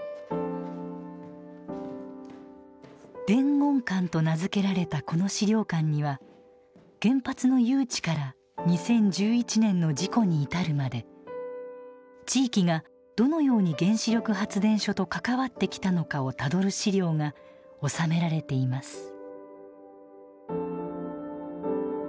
伝言館と名付けられたこの資料館には原発の誘致から２０１１年の事故に至るまで地域がどのように原子力発電所と関わってきたのかをたどる資料が収められています。